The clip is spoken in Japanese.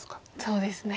そうですね。